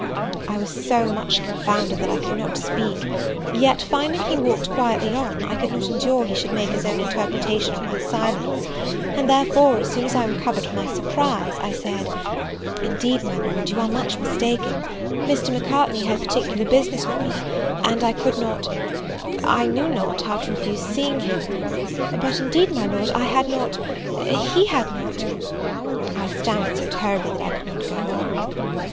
I was so much confounded that I could not speak: yet, finding he walked quietly on, I could not endure he should make his own interpretation of my silence: and therefore, as soon as I recovered from my surprise, I said, "Indeed, my Lord, you are much mistaken, Mr. Macartney had particular business with me and I could not I knew not, how to refuse seeing him; but indeed, my Lord I had not, he had not, " I stammered so terribly that I could not go on.